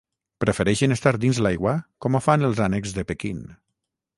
Prefereixen estar dins l'aigua com ho fan els ànecs de Pequín.